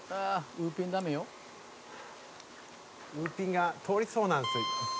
「ウーピンが通りそうなんですよ一見」